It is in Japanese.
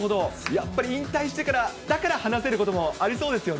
やっぱり引退してから、だから話せることもありそうですね。